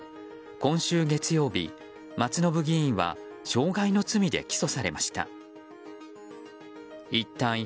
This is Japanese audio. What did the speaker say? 今週月曜日、松信議員は傷害の罪で起訴されました。